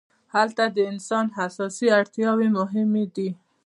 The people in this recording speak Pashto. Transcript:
هلته د انسان اساسي اړتیاوې مهمې دي.